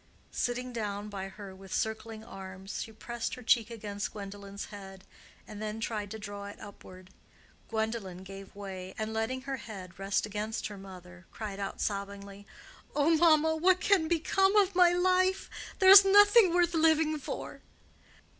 Sitting down by her with circling arms, she pressed her cheek against Gwendolen's head, and then tried to draw it upward. Gwendolen gave way, and letting her head rest against her mother, cried out sobbingly, "Oh, mamma, what can become of my life? there is nothing worth living for!"